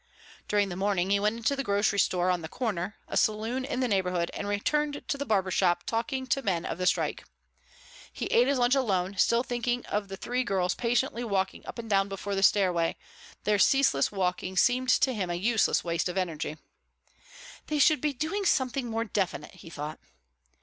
During the morning he went into the grocery store on the corner, a saloon in the neighbourhood, and returned to the barber shop talking to men of the strike. He ate his lunch alone, still thinking of the three girls patiently walking up and down before the stairway. Their ceaseless walking seemed to him a useless waste of energy. "They should be doing something more definite," he thought.